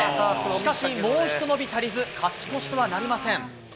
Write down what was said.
しかしもう一伸び足りず、勝ち越しとはなりません。